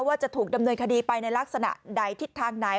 ว่าจะถูกดำเนินคดีไปในลักษณะไหนทิศทางไหน